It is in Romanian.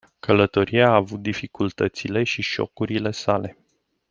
Călătoria a avut dificultățile și șocurile sale.